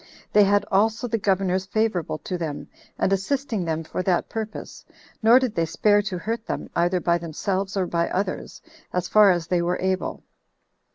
They had also the governors favorable to them, and assisting them for that purpose; nor did they spare to hurt them, either by themselves or by others, as far as they were able.